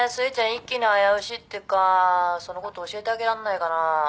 一気に危うしってかそのこと教えてあげらんないかな